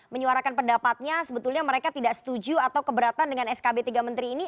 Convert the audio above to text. menyuarakan pendapatnya sebetulnya mereka tidak setuju atau keberatan dengan skb tiga menteri ini